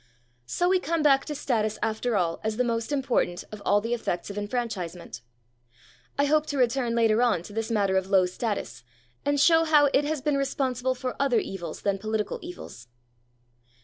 So we come back to status after all as the most important of all the effects of enfranchisement. I hope to return later on to this matter of low status, and show how it has been responsible for other evils than political evils.